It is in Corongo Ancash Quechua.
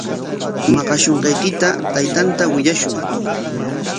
Maqashunqaykita taytanta willashun.